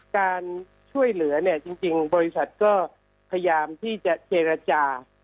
การช่วยเหลือเนี่ยจริงบริษัทก็พยายามที่จะเจรจา